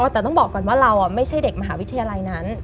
แต่ต้องบอกก่อนว่าเราไม่ใช่เด็กมหาวิทยาลัยนั้น